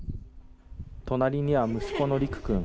隣には息子の利久君。